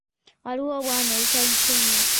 Waliwo obwana obusanyusa ennyo.